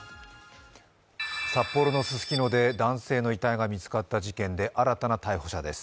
札幌のススキノで男性の遺体が見つかった事件で新たな逮捕者です。